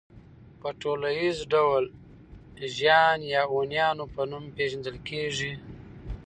په ټوليز ډول د ژيان يا هونيانو په نوم پېژندل کېدل